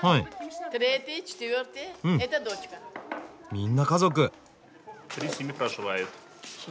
みんな家族。